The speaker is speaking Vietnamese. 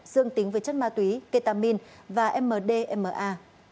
đối tượng với chất ma túy ketamin và mdma